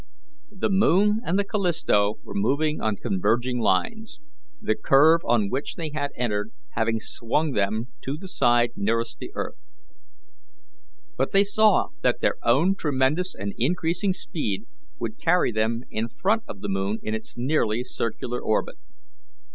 The moon and the Callisto were moving on converging lines, the curve on which they had entered having swung them to the side nearest the earth; but they saw that their own tremendous and increasing speed would carry them in front of the moon in its nearly circular orbit.